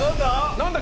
何だ？